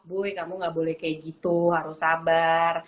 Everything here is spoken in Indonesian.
bu kamu gak boleh kayak gitu harus sabar